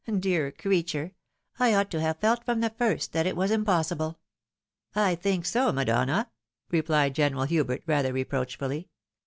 Dear creature ! I ought tp have felt from the first that it was impossible." " I think so, madonna," replied General Hubert, rather reproachfully.